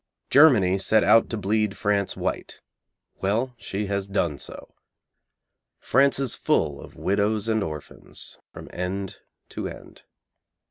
Germany set out to bleed France white. Well, she has done so. France is full of widows and orphans from end to end.